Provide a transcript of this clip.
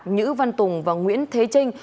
nhữ văn tùng và nguyễn thế trinh